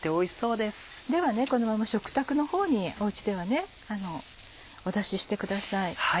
ではこのまま食卓のほうにお家ではお出ししてください。